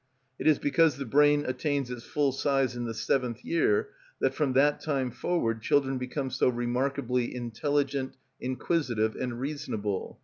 It is because the brain attains its full size in the seventh year that from that time forward children become so remarkably intelligent, inquisitive, and reasonable.